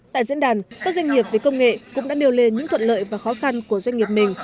tại diễn đàn các doanh nghiệp về công nghệ cũng đã điều lên những thuận lợi và khó khăn của doanh nghiệp mình